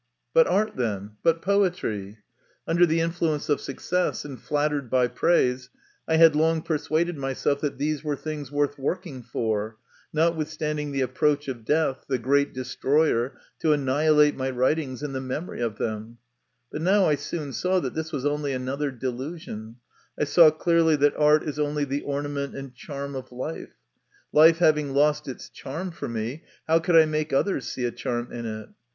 But art, then ; but poetry ? Under the influence of success, and flattered by praise, I had long persuaded myself that these were things worth working for, notwithstanding the approach of death, the great destroyer, to annihilate my writings, and the memory of them ; but now I soon saw that this was only another delusion I saw clearly that art is only the ornament and charm of life. Life having lost its charm for me, how could I make others see a charm in it